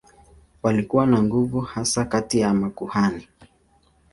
Walikuwa na nguvu hasa kati ya makuhani.